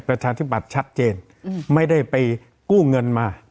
ประชาธิบัติชัดเจนไม่ได้ไปกู้เงินมา